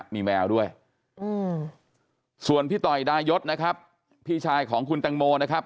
มีแมวด้วยส่วนพี่ต่อยดายศนะครับพี่ชายของคุณแตงโมนะครับ